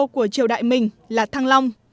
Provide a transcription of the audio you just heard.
của triều đại mình là thăng long